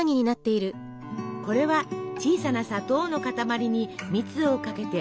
これは小さな砂糖の塊に蜜をかけて大きくしたもの。